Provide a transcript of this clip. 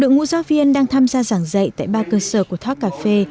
ngũ giáo viên đang tham gia giảng dạy tại ba cơ sở của thoát cà phê